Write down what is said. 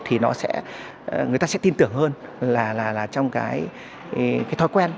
thì người ta sẽ tin tưởng hơn là trong cái thói quen